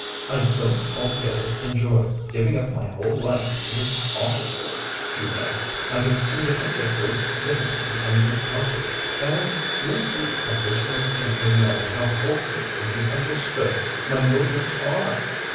I don't altogether enjoy giving up my whole life to this office work, you know, under conditions of great difficulty and discomfort, and with the additional pain of knowing how hopelessly misunderstood my motives are.